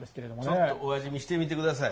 ちょっとお味見してみてください。